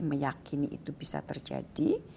meyakini itu bisa terjadi